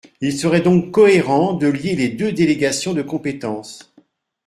Il serait donc cohérent de lier les deux délégations de compétences.